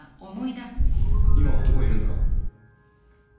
今男いるんすか？